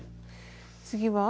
次は？